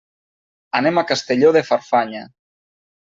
Anem a Castelló de Farfanya.